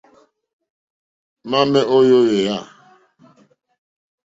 Mamɛ̀ o yɔ̀eyà e?